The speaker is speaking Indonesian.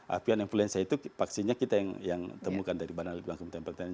api dan influenza itu paksinya kita yang temukan dari barang barang kebutuhan pertengahan